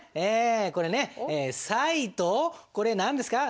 これね「サイ」とこれ何ですか？